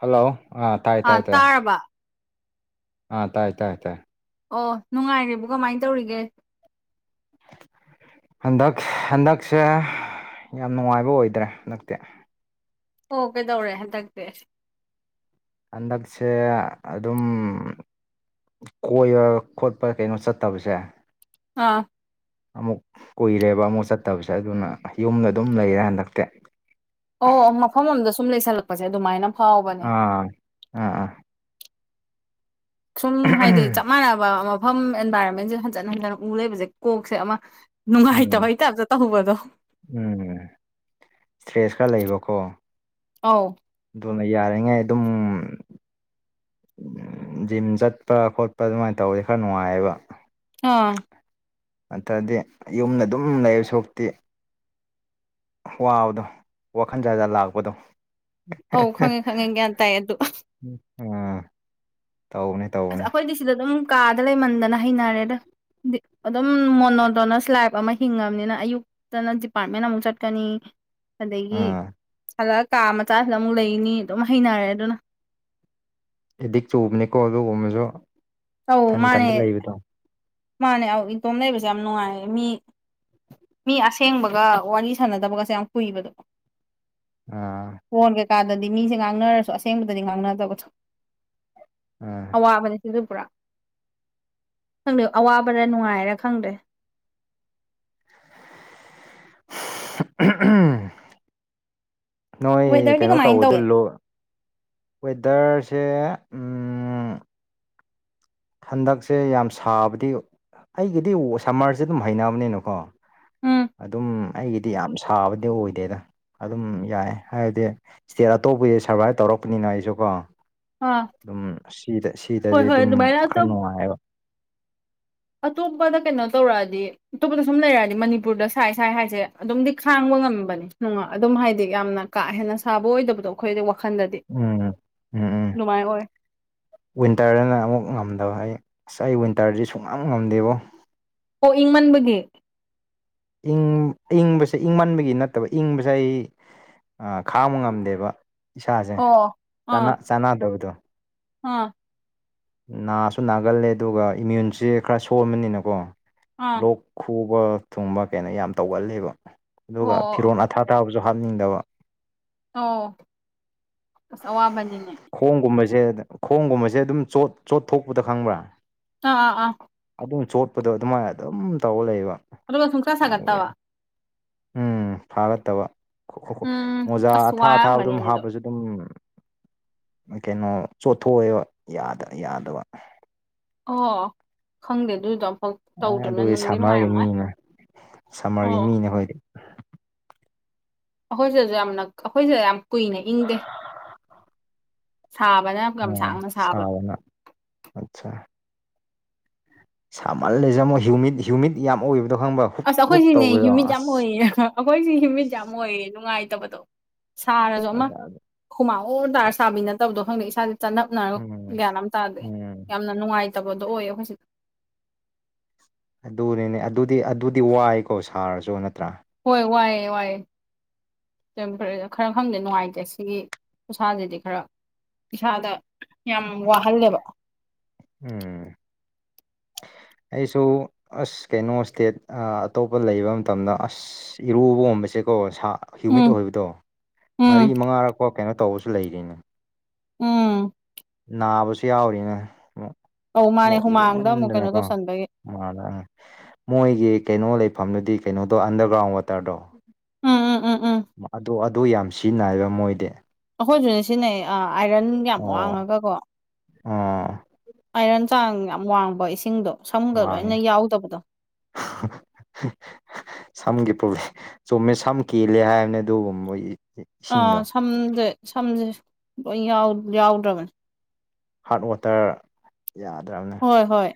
hello ꯑꯥ ꯇꯥꯏ ꯇꯥꯏ ꯇꯥꯏ ꯑꯥ ꯇꯥꯏ ꯇꯥꯏ ꯇꯥꯏ ꯑꯣ ꯅꯨꯡꯉꯥꯏꯔꯤꯕꯣ ꯀꯃꯥꯏꯅ ꯇꯧꯔꯤꯒꯦ ꯍꯟꯗꯛ ꯍꯟꯗꯛꯁꯦ ꯌꯥꯝ ꯅꯨꯡꯉꯥꯏꯕ ꯑꯣꯏꯗ꯭ꯔꯦ ꯍꯟꯗꯛꯇꯤ ꯑꯣ ꯀꯩꯗꯧꯔꯦ ꯍꯟꯗꯛꯇꯤ ꯍꯟꯗꯛꯁꯦ ꯑꯗꯨꯝ ꯀꯣꯏꯕ ꯈꯣꯠꯄ ꯀꯩꯅꯣ ꯆꯠꯇꯕꯁꯦ ꯑꯥ ꯑꯃꯨꯛ ꯀꯨꯏꯔꯦꯕ ꯑꯃꯨꯛ ꯆꯠꯇꯕꯁꯦ ꯑꯗꯨꯅ ꯌꯨꯝꯗ ꯑꯗꯨꯝ ꯂꯩꯔꯦꯕ ꯍꯟꯗꯛꯇꯤ ꯑꯣ ꯑꯣ ꯃꯐꯝ ꯑꯃꯝꯗ ꯁꯨꯝ ꯂꯩꯁꯜꯂꯛꯄꯁꯦ ꯑꯗꯨꯃꯥꯏꯅ ꯐꯥꯎꯕꯅꯦ ꯑꯥ ꯑꯥ ꯑꯥ ꯁꯨꯝ ꯍꯥꯏꯗꯤ ꯆꯞ ꯃꯥꯟꯅꯕ ꯃꯐꯝ ꯑꯦꯟꯚꯥꯏꯔꯣꯟꯃꯦꯟꯁꯦ ꯍꯟꯖꯟ ꯍꯟꯖꯟꯅ ꯎ ꯂꯩꯕꯁꯦ ꯀꯣꯛꯁꯦ ꯑꯃ ꯎꯝ ꯅꯨꯡꯉꯥꯏꯇꯕꯩ ꯇꯞꯇ ꯇꯧꯕꯗꯣ ꯎꯝ ꯏꯁꯇ꯭ꯔꯦꯁꯀꯔ ꯂꯩꯕꯀꯣ ꯑꯥꯎ ꯑꯗꯨꯅ ꯌꯥꯔꯤꯉꯩ ꯑꯗꯨꯝ ꯖꯤꯝ ꯆꯠꯄ ꯈꯣꯠꯄ ꯑꯗꯨꯃꯥꯏꯅ ꯇꯧꯔꯗꯤ ꯈꯔ ꯅꯨꯡꯉꯥꯏꯌꯦꯕ ꯑꯥ ꯅꯠꯇ꯭ꯔꯗꯤ ꯌꯨꯝꯗ ꯑꯗꯨꯝ ꯂꯩꯗꯨ ꯁꯔꯨꯛ ꯄꯨꯇꯤ ꯋꯥꯕꯗꯣ ꯋꯥꯈꯟ ꯖꯥꯠ ꯖꯥꯠ ꯂꯥꯛꯄꯗꯣ ꯑꯧ ꯈꯪꯉꯦ ꯈꯪꯉꯦ ꯒ꯭ꯌꯥꯟ ꯇꯥꯏ ꯑꯗꯨ ꯎꯝ ꯎꯝ ꯇꯧꯕꯅꯦ ꯑꯁ ꯇꯧꯕꯅꯦ ꯑꯩꯈꯣꯏꯗꯤ ꯁꯤꯗ ꯑꯗꯨꯝ ꯀꯥꯗ ꯂꯩꯃꯟꯗꯅ ꯍꯩꯅꯔꯦꯗ ꯗꯤ ꯑꯗꯨꯝ ꯃꯣꯅꯣꯗꯣꯅꯁ ꯂꯥꯏꯞ ꯑꯃ ꯍꯤꯡꯉꯕꯅꯤꯅ ꯑꯌꯨꯛ ꯇꯅ ꯗꯤꯄꯥꯔꯠꯃꯦꯟ ꯑꯃꯨꯛ ꯆꯠꯀꯅꯤ ꯑꯗꯒꯤ ꯎꯝ ꯁꯟꯂꯛ ꯑꯒ ꯀꯥ ꯃꯆꯥꯁꯤꯗ ꯑꯃꯨꯛ ꯂꯩꯅꯤ ꯑꯗꯨꯝ ꯍꯩꯅꯔꯦ ꯑꯗꯨꯅ ꯑꯦꯗꯤꯛ ꯆꯨꯕꯅꯤꯀꯣ ꯑꯗꯨꯒꯨꯝꯕꯁꯨ ꯇꯧ ꯏꯊꯟ ꯃꯥꯅꯦ ꯏꯊꯟꯇ ꯂꯩꯕꯗꯣ ꯃꯥꯅꯦ ꯏꯇꯣꯝ ꯂꯩꯕꯁꯦ ꯌꯥꯝ ꯅꯨꯡꯉꯥꯏꯌ ꯦꯃꯤ ꯃꯤ ꯑꯁꯦꯡꯕꯒ ꯋꯥꯔꯤ ꯁꯥꯟꯅꯗꯕꯒꯁꯦ ꯌꯥꯝ ꯀꯨꯏꯕꯗꯀꯣ ꯑꯥ ꯐꯣꯟ ꯀꯩꯀꯥꯗꯗꯤ ꯃꯤꯁꯦ ꯉꯥꯡꯅꯔꯁꯨ ꯑꯁꯦꯡꯕꯗꯗꯤ ꯉꯥꯡꯅꯗꯕꯗꯣ ꯑꯥ ꯑꯋꯥꯕꯅꯁꯤꯡꯗꯨ ꯄꯨꯔꯥ ꯈꯪꯗꯦ ꯑꯋꯥꯕꯗ ꯅꯨꯡꯉꯥꯏꯔ ꯈꯪꯗ꯭ꯔꯦ ꯅꯣꯏ ꯋꯦꯗꯔꯗꯤ ꯀꯩꯅꯣ ꯀꯃꯥꯏꯅ ꯇꯧꯗꯣꯏ ꯇꯧꯒꯦ ꯂꯨ ꯋꯦꯗꯔꯁꯦ ꯎꯝ ꯍꯟꯗꯛꯁꯦ ꯌꯥꯝ ꯁꯥꯕꯗꯤ ꯑꯩꯒꯤꯗꯤ ꯁꯝꯃꯔꯁꯦ ꯑꯗꯨꯝ ꯍꯩꯅꯕꯅꯤꯅꯀꯣ ꯎꯝ ꯑꯗꯨꯝ ꯑꯩꯒꯤꯗꯤ ꯌꯥꯝ ꯁꯥꯕꯗꯤ ꯑꯣꯏꯗꯦꯗ ꯑꯗꯨꯝ ꯌꯥꯏ ꯍꯥꯏꯗꯤ ꯁꯤꯌꯥꯔ ꯇꯧꯕꯤꯌꯨ ꯁꯔꯕꯥꯏꯞ ꯇꯧꯔꯛꯄꯅꯤꯅ ꯑꯩꯁꯨ ꯀꯣ ꯑꯥ ꯑꯗꯨꯝ ꯁꯤꯗ ꯍꯣꯏ ꯁꯤꯗꯗꯤ ꯍꯣꯏ ꯑꯗꯨꯝ ꯑꯗꯨꯃꯥꯏꯅ ꯈꯔ ꯑꯇꯣꯞ ꯅꯨꯡꯉꯥꯏꯕ ꯑꯇꯣꯞꯄꯗ ꯀꯩꯅꯣ ꯇꯧꯔꯛꯑꯗꯤ ꯑꯇꯣꯞꯄꯗ ꯁꯨꯝ ꯂꯩꯔꯛꯑꯗꯤ ꯃꯅꯤꯄꯨꯔꯗ ꯁꯥꯏ ꯁꯥꯏ ꯍꯥꯏꯁꯦ ꯑꯗꯨꯝꯗꯤ ꯈꯥꯡꯕ ꯉꯝꯕꯅꯤ ꯅꯨꯡ ꯑꯗꯨꯝ ꯍꯥꯏꯗꯤ ꯌꯥꯝꯅ ꯀꯥ ꯍꯦꯟꯅ ꯁꯥꯕ ꯑꯣꯏꯗꯕꯗꯣ ꯑꯩꯈꯣꯏꯗꯤ ꯋꯥꯈꯜꯗꯗꯤ ꯎꯝ ꯎꯝ ꯎꯝ ꯅꯨꯡꯉꯥꯏ ꯑꯣꯏ ꯋꯤꯟꯇꯔꯗꯅ ꯑꯃꯨꯛ ꯉꯝꯗꯕ ꯍꯥꯏ ꯉꯁꯥꯏ ꯋꯤꯟꯇꯔꯗꯤ ꯁꯨꯡꯉꯝ ꯉꯝꯗꯦꯕꯣ ꯑꯣ ꯏꯪꯃꯟꯕꯒꯤ ꯏꯪꯕꯁꯦ ꯏꯪꯃꯟꯕꯒꯤ ꯅꯠꯇꯕ ꯏꯪꯕꯁꯦ ꯑꯩ ꯈꯥꯡꯕ ꯉꯝꯗꯦꯕ ꯏꯁꯥꯁꯦ ꯑꯣ ꯑꯥ ꯆꯥꯟꯅꯗꯕꯗꯣ ꯑꯥ ꯅꯥꯁꯨ ꯅꯥꯒꯜꯂꯦ ꯑꯗꯨꯒ ꯏꯃ꯭ꯌꯨꯟꯁꯦ ꯈꯔ ꯁꯣꯟꯕꯅꯤꯅꯀꯣ ꯑꯥ ꯂꯣꯛ ꯈꯨꯕ ꯊꯨꯡꯕ ꯀꯩꯅꯣ ꯌꯥꯝ ꯇꯧꯒꯂꯦꯕ ꯑꯣ ꯑꯗꯨꯒ ꯑꯣ ꯐꯤꯔꯣꯟꯜ ꯑꯊꯥ ꯇꯥꯕꯁꯨ ꯍꯥꯞꯅꯤꯡꯗꯕ ꯑꯧ ꯑꯁ ꯑꯋꯥꯕꯅꯤꯅꯦ ꯈꯣꯡꯒꯨꯝꯕꯁꯦ ꯈꯣꯡꯒꯨꯝꯕꯁꯦ ꯑꯗꯨꯝ ꯆꯣꯠ ꯆꯣꯠ ꯊꯣꯛꯄꯗ ꯈꯪꯕ꯭ꯔꯥ ꯑ ꯑꯥ ꯑꯥ ꯑꯗꯨꯝ ꯆꯣꯠꯄꯗꯣ ꯑꯗꯨꯃꯥꯏꯅ ꯑꯗꯨꯝ ꯇꯧꯔ ꯂꯩꯕ ꯑꯗꯨꯒ ꯁꯨꯡꯁꯥ ꯑꯗꯨꯒꯤ ꯁꯥꯒꯠꯇꯕ ꯎꯝ ꯐꯥꯒꯠꯇꯕ ꯎꯝ ꯃꯣꯖꯥ ꯑꯁ ꯑꯊꯥ ꯑꯊꯥꯕ ꯑꯗꯨꯝ ꯋꯥꯔꯝꯒꯅꯤꯅꯦ ꯑꯗꯣ ꯍꯥꯞꯄꯁꯨ ꯑꯗꯨꯝ ꯀꯩꯅꯣ ꯆꯣꯠꯊꯣꯛꯑꯦꯕ ꯌꯥꯗꯕ ꯑꯣ ꯈꯪꯗꯦ ꯑꯗꯨꯗꯤ ꯗꯝꯐꯧ ꯑꯦ ꯑꯗꯨꯒꯤ ꯁꯝꯃꯔꯒꯤ ꯃꯤꯅꯦ ꯁꯝꯃꯔꯒꯤ ꯑꯣ ꯃꯤꯅꯦꯈꯣꯏꯗꯤ ꯑꯩꯈꯣꯏꯁꯤꯗꯖꯨ ꯌꯥꯝꯅ ꯑꯩꯈꯣꯏꯁꯤꯗ ꯌꯥꯝ ꯀꯨꯏꯅ ꯏꯪꯗꯦ ꯁꯥꯕꯅ ꯌꯥꯝ ꯒꯝ ꯁꯥꯡꯅ ꯁꯥꯕ ꯑꯆꯥ ꯁꯥꯃꯜꯂꯦꯖꯦ ꯃꯣꯏ ꯍ꯭ꯌꯨꯃꯤꯠ ꯍ꯭ꯌꯨꯃꯤꯠ ꯌꯥꯝ ꯑꯣꯏꯕꯗꯣ ꯈꯪꯕ꯭ꯔꯣ ꯑꯁ ꯑꯩꯈꯣꯏꯁꯤꯅꯦ ꯍ꯭ꯨꯃꯤꯠ ꯌꯥꯝ ꯑꯣꯏꯌꯦ ꯑꯩꯈꯣꯏꯁꯤ ꯍꯤꯨꯃꯤꯠ ꯌꯥꯝ ꯑꯣꯏꯌꯦ ꯅꯨꯡꯉꯥꯏꯇꯕꯗꯣ ꯁꯥꯔꯁꯨ ꯑꯃ ꯈꯨꯃꯥꯡ ꯑꯣꯏꯔ ꯇꯥꯔ ꯁꯥꯕꯤ ꯅꯠꯇꯕꯗꯣ ꯈꯪꯗꯦ ꯏꯁꯥꯥꯁ ꯆꯠꯅ ꯅꯣ ꯎꯝ ꯒ꯭ꯌꯥꯟ ꯑꯃ ꯇꯥꯗꯦ ꯎꯝ ꯌꯥꯝꯅ ꯅꯨꯡꯉꯥꯏꯇꯕꯗꯣ ꯑꯣꯏꯌꯦ ꯑꯩꯈꯣꯏ ꯁꯤꯗ ꯑꯗꯨꯅꯤꯅꯦ ꯑꯗꯨꯗꯤ ꯑꯗꯨꯗꯤ ꯋꯥꯏꯀꯣ ꯁꯥꯔꯁꯨ ꯅꯠꯇ꯭ꯔꯥ ꯍꯣꯏ ꯋꯥꯏꯑꯦ ꯋꯥꯑꯦ ꯈꯔ ꯈꯪꯗꯦ ꯅꯨꯡꯉꯥꯏꯇꯦ ꯁꯤꯒꯤ ꯎꯁꯥꯁꯤꯗꯤ ꯈꯔ ꯏꯁꯥꯗ ꯌꯥꯝ ꯋꯥꯍꯜꯂꯦꯕ ꯎꯝ ꯑꯩꯁꯨ ꯑꯁ ꯀꯩꯅꯣ ꯏꯁꯇꯦꯠ ꯑꯇꯣꯞꯄ ꯂꯩꯕ ꯃꯇꯝꯗ ꯑꯁ ꯑ ꯏꯔꯨꯕꯒꯨꯝꯕꯁꯦꯀꯣ ꯁꯥ ꯍ꯭ꯌꯨꯃꯤꯠ ꯎꯝ ꯑꯣꯏꯕꯗꯣ ꯃꯔꯤ ꯎꯝ ꯃꯉꯥꯔꯛꯐꯧ ꯀꯩꯅꯣ ꯇꯧꯕꯁꯨ ꯂꯩꯔꯤꯅꯦ ꯎꯝ ꯅꯥꯕꯁꯨ ꯌꯥꯎꯔꯤꯅꯦ ꯑꯧ ꯃꯥꯅꯦ ꯍꯨꯃꯥꯡꯗ ꯑꯃꯨꯛ ꯀꯩꯅꯣ ꯇꯧꯁꯟꯕꯒꯤ ꯃꯥꯗꯪ ꯃꯣꯏꯒꯤ ꯀꯩꯅꯣ ꯂꯩꯐꯝꯗꯨꯗꯤ ꯀꯩꯅꯣꯗꯣ ꯑꯟꯗꯔꯒ꯭ꯔꯥꯎꯟ ꯋꯥꯇꯔꯗꯣ ꯎꯝ ꯎꯝ ꯎꯝ ꯎꯝ ꯑꯗꯨ ꯑꯗꯨ ꯌꯥꯝ ꯁꯤꯖꯤꯟꯅꯩꯕ ꯃꯣꯏꯗꯤ ꯑꯩꯈꯣꯏꯁꯨꯅꯦ ꯁꯤꯟꯅꯩ ꯑꯥꯏꯔꯟ ꯌꯥꯝ ꯋꯥꯡꯉꯒ ꯀꯣ ꯑꯥ ꯑꯥꯏꯔꯟ ꯆꯥꯡ ꯌꯥꯝ ꯋꯥꯡꯕ ꯏꯁꯤꯡꯗꯣ ꯁꯝꯒ ꯋꯥꯡꯉꯦ ꯂꯣꯏꯅ ꯌꯥꯎꯗꯕꯗꯣ [unintelligible] ꯁꯝꯒꯤ ꯄ꯭ꯔꯣꯕ꯭ꯂꯦꯝ ꯆꯨꯝꯃꯦ ꯁꯝ ꯀꯦꯜꯂꯦ ꯍꯥꯏꯕꯅꯦ ꯑꯗꯨꯒꯕ ꯃꯣꯏꯒꯤ ꯑꯥ ꯁꯝꯖꯦ ꯁꯝꯖꯦ ꯂꯣꯏ ꯌꯥꯎ ꯌꯥꯎꯗ꯭ꯔꯕꯅꯦ ꯍꯥꯔꯠ ꯋꯥꯇꯔ ꯌꯥꯗ꯭ꯔꯕꯅꯦ ꯍꯣꯏ ꯍꯣꯏ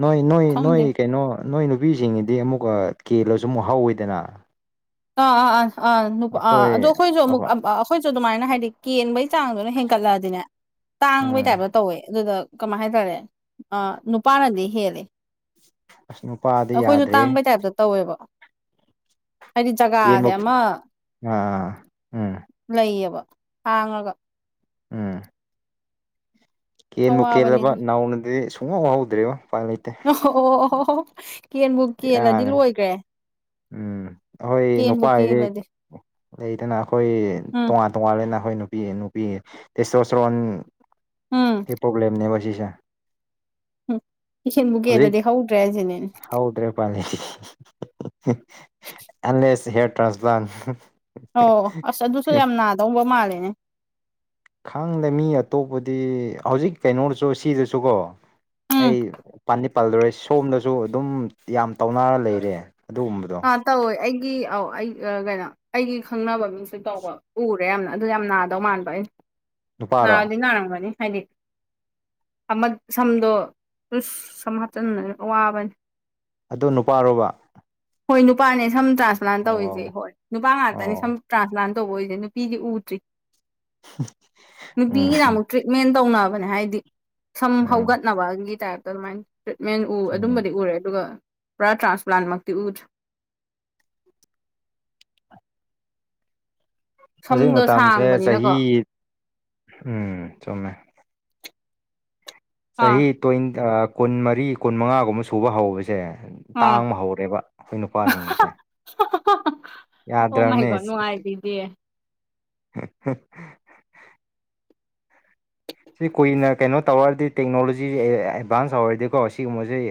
ꯅꯣꯏ ꯅꯣꯏ ꯈꯪꯗꯦ ꯅꯣꯏ ꯀꯩꯅꯣ ꯅꯣꯏ ꯅꯨꯄꯤꯁꯤꯡꯒꯤꯗꯤ ꯑꯃꯨꯛꯀ ꯀꯦꯜꯂꯁꯨ ꯑꯃꯨꯛ ꯍꯧꯋꯤꯗꯅ ꯑꯥ ꯑꯥ ꯑꯥ ꯑꯥ ꯅꯨꯄ ꯑꯥ ꯑꯩꯈꯣꯏ ꯑꯗꯣ ꯑꯩꯈꯣꯏꯁꯨ ꯑꯃꯨꯛ ꯑꯩꯈꯣꯏ ꯑꯝ ꯑꯥ ꯑꯩꯈꯣꯏꯁꯨ ꯑꯗꯨꯃꯥꯏꯅ ꯍꯥꯏꯗꯤ ꯀꯦꯟꯕꯩ ꯆꯥꯡꯗꯨꯅ ꯍꯦꯟꯒꯠꯂꯛꯑꯗꯤꯅꯦ ꯇꯥꯡꯕꯩ ꯎꯝ ꯇꯥꯏꯞꯇ ꯇꯧꯋꯦ ꯑꯗꯨꯗ ꯀꯃꯥꯏ ꯍꯥꯏꯇꯥꯔꯦ ꯑ ꯅꯨꯄꯥꯅꯗꯤ ꯍꯦꯜꯂꯦ ꯑꯁ ꯅꯨꯄꯥꯗꯤ ꯑꯩꯈꯣꯏꯖꯨ ꯌꯥꯗ꯭ꯔꯦ ꯇꯥꯡꯕꯩ ꯇꯥꯏꯞꯇ ꯇꯧꯋꯦꯕ ꯍꯥꯏꯗꯤ ꯀꯦꯟꯕ ꯖꯒꯥꯁꯦ ꯑꯃ ꯑꯥ ꯎꯝ ꯂꯩꯌꯦꯕ ꯍꯥꯡꯉꯒ ꯎꯝ ꯀꯦꯟꯕꯨꯨ ꯀꯦꯜꯂꯕ ꯑꯋꯥꯕꯅꯤꯗ ꯅꯥꯎꯅꯗꯤ ꯁꯨꯡ ꯍꯧ ꯍꯧꯗ꯭ꯔꯦꯉꯣ ꯎꯄꯥꯟ ꯂꯩꯇꯦ ꯑꯣ ꯑꯣ ꯑꯣ ꯀꯦꯟꯕꯨ ꯀꯦꯜꯂꯗꯤ ꯕꯦꯔꯥꯅꯦ ꯂꯣꯏꯒ꯭ꯔꯦ ꯎꯝ ꯑꯩꯈꯣꯏ ꯅꯨꯄꯥꯢꯗꯤ ꯂꯩꯗꯅ ꯑꯩꯈꯣꯏ ꯎꯝ ꯇꯣꯉꯥꯟ ꯇꯣꯉꯜ ꯂꯩꯅ ꯑꯩꯈꯣꯏ ꯅꯨꯄꯤ ꯅꯨꯄꯤ ꯎꯝ ꯇꯦꯁꯇꯣꯁꯇꯦꯔꯣꯟꯒꯤ ꯄ꯭ꯔꯣꯕ꯭ꯂꯦꯝꯅꯦꯕ ꯁꯤꯁꯦ ꯎꯝ ꯏꯁꯤꯟ ꯀꯦꯜꯂꯗꯤ ꯍꯧꯗ꯭ꯔꯦ ꯍꯥꯏꯖꯤꯅꯤꯅꯦ ꯍꯥꯎꯗ꯭ꯔꯦ ꯎꯄꯥꯢ ꯂꯩꯇꯦ unless the hair transplant ꯑꯣ ꯑꯁ ꯑꯗꯨꯁꯨ ꯌꯥꯝ ꯅꯥꯗꯧꯕ ꯃꯥꯜꯂꯦꯅꯦ ꯈꯪꯗꯦ ꯃꯤ ꯑꯇꯣꯞꯄꯗꯤ ꯍꯧꯖꯤꯛ ꯀꯩꯅꯣꯗꯁꯨ ꯁꯤꯖꯁꯨꯀꯣ ꯎꯝ ꯑꯩ ꯄꯟꯗꯤ ꯄꯜꯂꯔꯣꯏ ꯁꯣꯝꯗꯁꯨ ꯑꯗꯨꯝ ꯌꯥꯝ ꯇꯧꯅꯔ ꯂꯩꯔꯦ ꯑꯗꯨꯒꯨꯝꯕ [unintelligible] ꯇꯧꯋꯦ ꯑꯩꯒꯤ ꯑꯧ ꯑꯩ ꯀꯩꯅꯣ ꯑꯩꯒꯤ ꯈꯪꯅꯕ ꯃꯤꯡꯁꯨ ꯇꯧꯕ ꯎꯔꯦ ꯌꯥꯝꯅ ꯑꯗꯨ ꯌꯥꯝ ꯅꯥꯗꯧ ꯃꯥꯥꯟ ꯕ ꯅꯨꯄꯥꯔꯣ ꯅꯥꯗꯤ ꯅꯥꯔꯝꯒꯅꯤ ꯍꯥꯏꯗꯤ ꯁꯝꯗꯣ ꯁꯝ ꯍꯥꯆꯟꯕꯅꯤꯅ ꯑꯋꯥꯕꯅꯤ ꯑꯗꯨ ꯅꯨꯄꯥꯔꯣꯕ ꯍꯣꯏ ꯅꯨꯄꯥꯅꯦ ꯁꯝ ꯇ꯭ꯔꯥꯟꯁꯄ꯭ꯂꯥꯟ ꯑꯣ ꯇꯧꯋꯤꯖꯦ ꯍꯣꯏ ꯅꯨꯄꯥ ꯉꯥꯛꯇꯅꯦ ꯁꯝ ꯑꯣ ꯇ꯭ꯔꯥꯟꯁꯄ꯭ꯂꯥꯟ ꯇꯧꯕ ꯎꯢꯖ ꯅꯨꯄꯤꯗꯤ ꯎꯗ꯭ꯔꯤ ꯎꯝ ꯅꯨꯄꯤꯒꯤꯅꯃꯨꯛ ꯇ꯭ꯔꯤꯟꯠ ꯃꯦꯟ ꯇꯧꯅꯕꯅꯦ ꯍꯥꯏꯗꯤ ꯁꯝ ꯎꯝ ꯍꯧꯒꯠꯅꯕꯒꯤ ꯇꯥꯏꯞꯇ ꯑꯗꯨꯃꯥꯏ ꯇ꯭ꯔꯤꯠꯃꯦꯟ ꯎ ꯎꯝ ꯑꯗꯨꯝꯕꯗꯤ ꯎꯔꯦ ꯑꯗꯨꯒ ꯄꯨꯔꯥ ꯇ꯭ꯔꯥꯟꯁꯄ꯭ꯂꯥꯟꯃꯛꯇꯤ ꯎꯗ꯭ꯔꯤ ꯍꯧꯖꯤꯛ ꯁꯝꯗꯣ ꯃꯇꯝꯁꯦ ꯁꯥꯡꯕꯅꯤꯅꯀꯣ ꯆꯍꯤ ꯎꯝ ꯆꯨꯝꯃꯦ ꯑꯥ ꯆꯍꯤ ꯇꯣꯢꯟ ꯀꯨꯟꯃꯔꯤ ꯀꯨꯟꯃꯉꯥꯒꯨꯝꯕ ꯁꯨꯕ ꯍꯧꯕꯁꯦ ꯑꯥ ꯇꯥꯡꯕ ꯍꯧꯔꯦꯕ ꯑꯩꯈꯣꯏ ꯅꯨꯄꯥꯁꯤꯡꯁꯦ ꯑꯣ ꯃꯥꯢ ꯒꯣꯠ ꯅꯨꯡꯉꯥꯏꯕꯤꯗꯤꯌꯦ [unintelligible] ꯁꯤ ꯀꯨꯏꯅ ꯀꯩꯅꯣ ꯇꯧꯔꯗꯤ ꯇꯦꯛꯅꯣꯂꯣꯖꯤ ꯑꯦꯗꯚꯥꯟꯁ ꯍꯧꯔꯗꯤꯀꯣ ꯁꯤꯒꯨꯝꯕꯖꯦ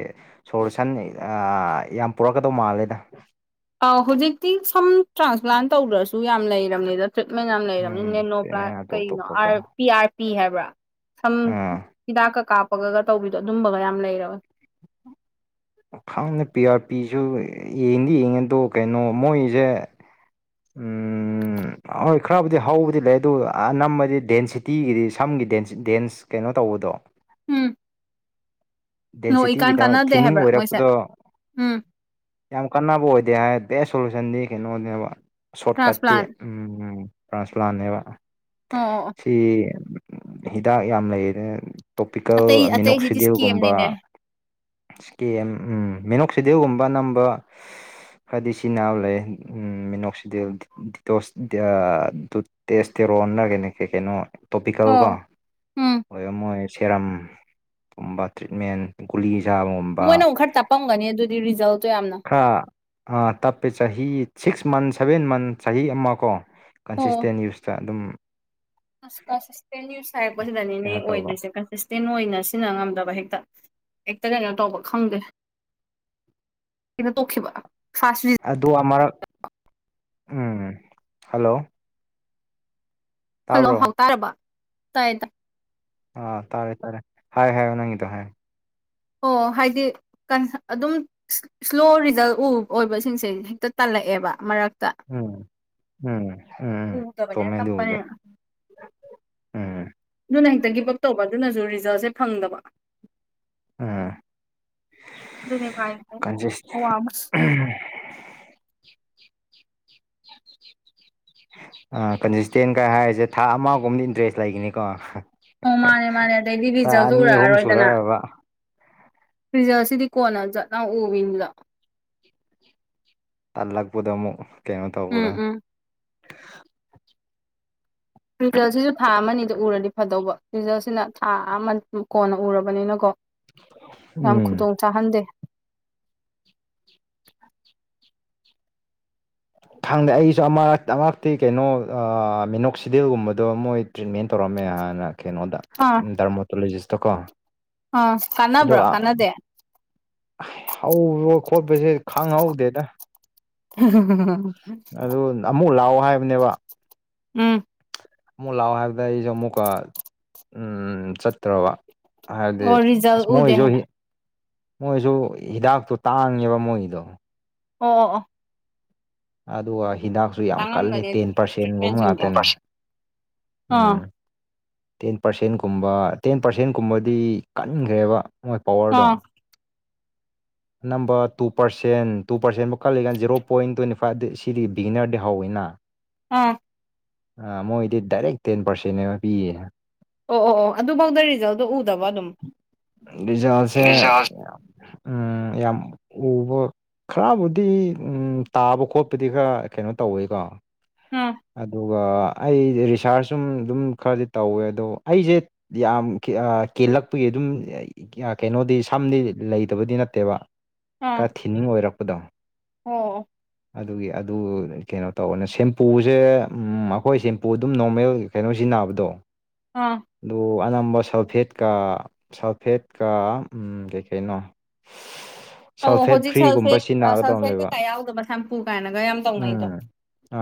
ꯁꯣꯂꯨꯁꯟ ꯑꯥ ꯌꯥꯝ ꯄꯨꯔꯛꯀꯗꯧ ꯃꯥꯜꯂꯦꯗ ꯑꯥ ꯍꯨꯖꯤꯛꯇꯤ ꯁꯝ ꯇ꯭ꯔꯥꯟꯁꯄ꯭ꯂꯥꯟ ꯇꯧꯗ꯭ꯔꯁꯨ ꯌꯥꯝ ꯂꯩꯔꯝꯅꯤꯗ ꯇ꯭ꯔꯤꯠꯃꯦꯟ ꯌꯥꯝ ꯂꯩꯔꯝꯅꯤ ꯎꯝ ꯅꯦꯅꯣ ꯄ꯭ꯂꯥ ꯑꯗꯨꯅꯦ ꯑꯇꯣꯞ ꯀꯩꯅꯣ ꯑꯇꯣꯞꯄꯀꯣ ꯄꯤ ꯑꯥꯔ ꯄꯤ ꯍꯥꯏꯕ꯭ꯔꯥ ꯁꯝ ꯎꯝ ꯍꯤꯗꯥꯛꯀ ꯀꯥꯞꯄꯒꯒ ꯇꯧꯕꯤꯗꯣ ꯑꯗꯨꯝꯕꯒ ꯌꯥꯝ ꯂꯩꯔꯕꯅꯦ ꯈꯥꯡꯅꯦ ꯄꯤ ꯑꯥꯔ ꯄꯤꯖꯨ ꯌꯦꯡꯗꯤ ꯌꯦꯡꯉꯦ ꯑꯗꯣ ꯀꯩꯅꯣ ꯃꯣꯏꯖꯦ ꯎꯝ ꯎꯝ ꯍꯣꯏ ꯈꯔꯕꯨꯗꯤ ꯍꯧꯕꯗꯤ ꯂꯩ ꯑꯗꯨ ꯑꯅꯝꯕꯗꯤ ꯗꯦꯟꯁꯤꯇꯤꯒꯤꯗꯤ ꯁꯝꯒꯤ ꯗꯦꯟꯁ ꯀꯩꯅꯣ ꯇꯧꯕꯗꯣ ꯎꯝ ꯅꯣ ꯏꯀꯥꯟ ꯗꯦꯟꯁꯤꯇꯤꯒꯤꯗ ꯀꯥꯟꯅꯗꯦ ꯊꯤꯅꯤꯡ ꯍꯥꯏꯕ꯭ꯔꯥ ꯃꯣꯏꯁꯦ ꯑꯣꯏꯔꯛꯄꯗꯣ ꯎꯝ ꯌꯥꯝ ꯀꯥꯟꯅꯕ ꯑꯣꯏꯗꯦ ꯍꯥꯏ ꯕꯦꯁ ꯁꯣꯂꯨꯁꯟꯗꯤ ꯀꯩꯅꯣꯅꯦꯕ ꯁꯣꯔꯠꯀꯠꯇꯤ ꯇ꯭ꯔꯥꯟꯁꯄ꯭ꯂꯥꯟ ꯎꯝ ꯇ꯭ꯔꯥꯟꯁꯄ꯭ꯂꯥꯟꯅꯦꯕ ꯑꯣ ꯑꯣ ꯑꯣ ꯁꯤ ꯍꯤꯗꯥꯛ ꯌꯥꯝ ꯂꯩꯗꯅ ꯑꯇꯩ ꯇꯣꯄꯤꯀꯦꯜ ꯑꯇꯩꯁꯤꯗꯤ ꯃꯤꯅꯣꯛꯁꯤꯗꯤꯜ ꯏꯁꯀꯦꯝꯅꯤꯅꯦ ꯁꯀꯦꯝ ꯃꯤꯅꯣꯛꯁꯤꯗꯤꯜꯒꯨꯝꯕ ꯑꯅꯝꯕ ꯐꯗꯤ ꯁꯤ ꯅꯥꯎ ꯂꯩ ꯎꯝ ꯃꯤꯅꯣꯛꯁꯤꯗꯤ ꯗꯤꯇꯣꯁ ꯑꯥ ꯇꯦꯁ ꯇꯦꯔꯣꯅꯔꯒꯦꯅꯤ ꯀꯩ ꯀꯩꯅꯣ ꯇꯣꯄꯤꯀꯦꯜ ꯑꯣ ꯀꯣ ꯎꯝ ꯑꯣꯏ ꯃꯣꯏ ꯁꯦꯔꯝ ꯀꯨꯝꯕ ꯇ꯭ꯔꯤꯠꯃꯦꯟ ꯒꯨꯂꯤ ꯆꯥꯕ ꯃꯣꯏꯅ ꯑꯃꯨꯛ ꯈꯔ ꯇꯥꯛꯄꯝꯒꯅꯤ ꯑꯗꯨꯗꯤ ꯔꯤꯖꯜꯇꯣ ꯌꯥꯝꯅ ꯍꯥꯥ ꯥ ꯇꯞꯄꯦ ꯆꯍꯤ ꯁꯤꯛꯁ ꯃꯟ ꯁꯚꯦꯟ ꯃꯟ ꯆꯍꯤ ꯑꯃ ꯀꯣ ꯑꯣ ꯀꯟꯁꯤꯁꯇꯦꯟ ꯌꯨꯁꯇ ꯑꯗꯨꯝ ꯑꯁ ꯀꯟꯁꯤꯁꯇꯦꯟ ꯌꯨꯁ ꯍꯥꯏꯔꯛꯄꯗꯅꯤꯅꯦ ꯀꯩꯅꯣ ꯇꯧꯕ ꯑꯣꯏꯗ꯭ꯔꯤꯁꯦ ꯀꯟꯐꯨꯖ ꯇꯦꯟ ꯑꯣꯏꯅ ꯁꯤꯖꯤꯟꯅ ꯉꯝꯗꯕ ꯍꯦꯛꯇ ꯍꯦꯛꯇ ꯀꯩꯅꯣ ꯇꯧꯕ ꯈꯪꯗꯦ ꯍꯦꯛꯇ ꯇꯣꯛꯈꯤꯕ ꯊꯥ ꯁꯨꯖꯤꯟ ꯑꯗꯣ ꯑꯃꯔꯛ ꯎꯝ ꯍꯜꯂꯣ ꯍꯜꯂꯣ ꯇꯥꯕ꯭ꯔꯣ ꯍꯥꯎ ꯇꯔꯔꯕ ꯇꯥꯏ ꯇꯥꯢ ꯑꯥ ꯇꯥꯔꯦ ꯇꯥꯔꯦ ꯍꯥꯏ ꯍꯥꯏꯌꯣ ꯅꯪꯒꯤꯗꯣ ꯍꯥꯏ ꯑꯣ ꯍꯥꯏꯗꯤ ꯀꯟ ꯑꯗꯨꯝ ꯏꯁ꯭ꯂꯣ ꯔꯤꯖꯜ ꯑꯣꯏꯕꯁꯤꯡꯁꯦ ꯍꯦꯛꯇ ꯇꯜꯂꯛꯑꯦꯕ ꯃꯔꯛ ꯎꯝ ꯎꯝ ꯎꯝ ꯎꯝ ꯎꯗꯕꯅꯤꯅ ꯆꯨꯃꯦ ꯑꯗꯨꯕꯨꯗꯤ ꯇꯞꯄꯅꯤꯅ ꯎꯝꯝ ꯑꯗꯨꯅ ꯍꯦꯛꯇ ꯒꯤꯞ ꯑꯞ ꯇꯧꯕ ꯑꯗꯨꯅꯁꯨ ꯔꯤꯖꯜꯁꯦ ꯐꯪꯗꯕ ꯎꯝ ꯑꯗꯨꯅꯤ ꯈ꯭ꯋꯥꯏ ꯀꯟꯁꯤꯁ ꯑꯋꯥꯕꯁꯨ ꯑꯥ ꯀꯟꯁꯤꯁꯇꯦꯟꯒ ꯍꯥꯏꯔꯤꯁꯦ ꯊꯥ ꯑꯃꯒꯨꯝꯕꯗꯤ ꯏꯟꯇꯔꯦꯁ ꯂꯩꯒꯅꯤꯀꯣ ꯑꯣ ꯃꯥꯅꯦ ꯃꯥꯅꯦ ꯑꯗꯩꯗꯤ ꯊꯥ ꯔꯤꯖꯜꯁꯨ ꯑꯅꯤ ꯑꯍꯨꯝ ꯁꯨꯔꯕ ꯔꯤꯖꯔ ꯁꯤꯗꯤ ꯀꯣꯟꯅꯥ ꯖꯠ ꯂꯥꯎ ꯎꯕꯤꯅꯤꯗꯣ ꯇꯜꯂꯛꯄꯗꯣ ꯑꯃꯨꯛ ꯀꯩꯅꯣ ꯎꯝ ꯇꯧꯕꯗꯣ ꯎꯝ ꯔꯤꯖꯜꯁꯤꯁꯨ ꯊꯥ ꯑꯃꯅꯤꯗ ꯎꯔꯗꯤ ꯐꯗꯧꯕ ꯔꯤꯖꯜꯁꯤꯅ ꯊꯥ ꯑꯃ ꯀꯣꯟꯅ ꯎꯔꯕꯅꯤꯅꯀꯣ ꯌꯥꯝ ꯎꯝ ꯈꯨꯗꯣꯡ ꯆꯥꯍꯟꯗꯦ ꯈꯪꯗꯦ ꯑꯩꯁꯨ ꯑꯃ ꯑꯃꯛꯇꯤ ꯀꯩꯅꯣ ꯃꯦꯅꯣꯛꯁꯤꯗꯦꯜꯒꯨꯝꯕꯗꯣ ꯃꯣꯏ ꯇ꯭ꯔꯤꯠꯃꯦꯟ ꯇꯧꯔꯝꯃꯦ ꯍꯥꯟꯅ ꯀꯩꯅꯣꯗ ꯑꯥ ꯗꯔꯃꯣꯇꯣꯂꯣꯖꯤꯁꯇꯣꯀꯣ ꯑꯥ ꯑꯗꯣ ꯀꯥꯟꯅꯕ꯭ꯔꯣ ꯀꯥꯟꯅꯗꯦ ꯍꯧꯔꯣ ꯈꯣꯠꯄꯁꯦ ꯈꯥꯡꯍꯧꯗꯦꯗ [unintelligible] ꯑꯗꯨ ꯑꯃꯨꯛ ꯂꯥꯛꯑꯣ ꯍꯥꯏꯕꯅꯦꯕ ꯎꯝ ꯑꯃꯨꯛ ꯂꯥꯛꯑꯣ ꯍꯥꯏꯕꯗ ꯑꯩꯁꯨ ꯑꯃꯨꯛꯀ ꯎꯝ ꯆꯠꯇ꯭ꯔꯕ ꯍꯥꯏꯕꯗꯤ ꯑꯣ ꯔꯤꯖꯜ ꯑꯁ ꯎꯗꯦ ꯃꯣꯏꯁꯨ ꯍꯥꯏꯅ ꯃꯣꯏꯁꯨ ꯍꯤꯗꯥꯛꯇꯣ ꯇꯥꯡꯉꯦꯕ ꯃꯣꯏꯒꯤꯗꯣ ꯑꯣ ꯑꯣ ꯑꯣ ꯑꯗꯨꯒ ꯍꯤꯗꯥꯛꯁꯨ ꯌꯥꯝ ꯀꯜꯂꯤ ꯇꯥꯡꯉꯝꯒꯅꯤ ꯇꯦꯟ ꯑꯗꯨꯕꯨꯗꯤ ꯄꯥꯔꯁꯦꯟꯒꯨꯝꯕ ꯇ꯭ꯔꯤꯠꯃꯦꯟꯁꯤꯡꯗꯣ ꯉꯥꯛꯇꯅꯦ ꯑꯥ ꯎꯝ ꯇꯦꯟ ꯄꯥꯔꯁꯦꯟꯒꯨꯝꯕ ꯇꯦꯟ ꯄꯥꯔꯁꯦꯟꯀꯨꯝꯕꯗꯤ ꯀꯟꯈ꯭ꯔꯦꯕ ꯃꯣꯏ ꯄꯋꯥꯔꯗꯣ ꯑꯥ ꯅꯝꯕ ꯇꯨ ꯄꯔꯁꯦꯟ ꯇꯨ ꯄꯔꯁꯦꯟ ꯕꯥꯎ ꯀꯜꯂꯤꯀꯥꯟ ꯖꯤꯔꯣ ꯄꯣꯏꯟ ꯇ꯭ꯋꯦꯟꯇꯤ ꯐ ꯁꯤꯗꯤ ꯕꯤꯒꯤꯅꯔꯗꯩ ꯍꯧꯋꯤꯅ ꯎꯝ ꯑ ꯃꯣꯏꯗꯤ ꯗꯥꯏꯔꯦꯛ ꯇꯦꯟ ꯄꯥꯔꯁꯦꯟꯕ ꯄꯤꯌꯦ ꯑꯣ ꯑꯣ ꯑꯣ ꯑꯗꯨꯐꯥꯎꯗ ꯔꯤꯖꯜꯇꯣ ꯎꯗꯕ ꯑꯗꯨꯝ ꯔꯤꯖꯜꯁꯦ ꯎꯝ ꯌꯥꯝ ꯎꯕ ꯈꯔꯕꯨꯗꯤ ꯇꯥꯕ ꯈꯣꯠꯄꯗꯤ ꯈꯔ ꯀꯩꯅꯣ ꯇꯧꯋꯦꯀꯣ ꯑꯥ ꯑꯗꯨꯒ ꯑꯩ ꯔꯤꯁꯥꯔꯁ ꯁꯨꯝ ꯑꯗꯨꯝ ꯈꯔꯗꯤ ꯇꯧꯋꯦ ꯑꯗꯣ ꯑꯩꯁꯦ ꯌꯥꯝ ꯀꯦꯜꯂꯛꯄꯒꯤ ꯑꯗꯨꯝ ꯀꯩꯅꯣꯗꯤ ꯁꯝꯗꯤ ꯂꯩ ꯇꯕꯗꯤ ꯅꯠꯇꯦꯕ ꯑꯥ ꯈꯔ ꯊꯤꯟ ꯑꯣꯏꯔꯛꯄꯗꯣ ꯑꯣ ꯑꯗꯨꯒꯤ ꯑꯗꯨ ꯀꯩꯅꯣ ꯇꯧꯕꯅꯦ ꯁꯦꯝꯄꯨꯁꯦ ꯑꯩꯈꯣꯏ ꯁꯦꯝꯄꯨ ꯑꯗꯨꯝ ꯅꯣꯔꯃꯦꯜ ꯀꯩꯅꯣ ꯁꯤꯖꯤꯟꯅꯕꯗꯣ ꯎꯝ ꯑꯗꯨ ꯑꯅꯝꯕ ꯁꯜꯐꯦꯠꯀ ꯁꯜꯐꯦꯠꯀ ꯀꯩꯀꯩꯅꯣ ꯑꯧ ꯁꯜꯐꯦꯠ ꯍꯧꯖꯤꯛ ꯐ꯭ꯔꯤꯒꯨꯝꯕ ꯁꯜꯐꯦꯠ ꯁꯜꯐꯦꯠ ꯁꯤꯖꯤꯟꯅꯒꯗꯕꯅꯦꯕ ꯀꯩꯀꯥ ꯌꯥꯎꯗꯕ ꯁꯝꯄꯨ ꯀꯥꯏꯅꯒ ꯌꯥꯝ ꯇꯧꯅꯩꯗꯣ ꯎꯝ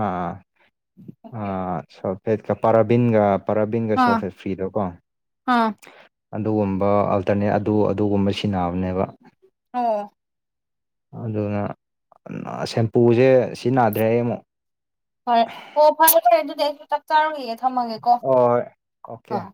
ꯑꯥ ꯑ ꯁꯣꯐꯦꯠꯀ ꯄꯔꯕꯤꯟꯒ ꯄꯔꯥꯕꯤꯟꯒ ꯑꯥ ꯁꯣꯐꯦ ꯐ꯭ꯔꯤꯗꯣ ꯀꯣ ꯑꯥ ꯑꯗꯨꯒꯨꯝꯕ ꯑꯜꯇꯔꯅꯦꯠ ꯑꯗꯨ ꯑꯗꯨꯒꯨꯝꯕ ꯁꯤꯟꯅꯕꯅꯦꯕ ꯑꯣ ꯑꯗꯨꯅ ꯁꯦꯝꯄꯨꯁꯦ ꯁꯤꯖꯤꯟꯅꯗ꯭ꯔꯦ ꯑꯩ ꯑꯃꯨꯛ ꯐꯔꯦ ꯑꯣ ꯐꯔꯦ ꯐꯔꯦ ꯑꯗꯨꯗꯤ ꯑꯩꯁꯨ ꯆꯥꯛ ꯆꯥꯔꯨꯒꯒꯦ ꯊꯝꯃꯒꯦꯀꯣ ꯍꯣꯏ ꯑꯣꯀꯦ ꯑꯥ